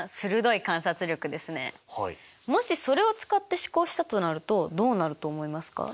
もしそれを使って試行したとなるとどうなると思いますか？